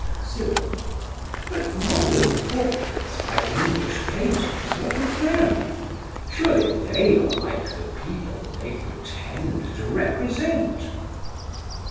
CYRIL. But modern portraits by English painters, what of them? Surely they are like the people they pretend to represent?